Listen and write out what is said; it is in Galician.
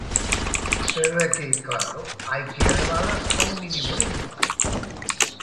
Pero é que, claro, hai que elevalas a un mínimo digno.